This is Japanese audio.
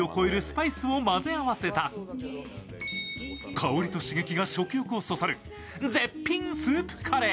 香りと刺激が食欲をそそる絶品スープカレー。